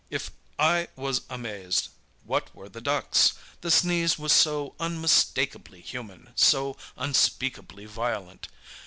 "If I was amazed, what were the ducks! The sneeze was so unmistakably human, so unspeakably violent.